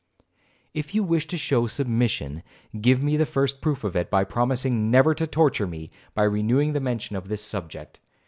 'If you wish to show submission, give me the first proof of it, by promising never to torture me by renewing the mention of this subject.